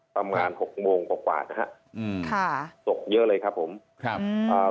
หกโมงกว่ากว่านะฮะอืมค่ะตกเยอะเลยครับผมครับอ่า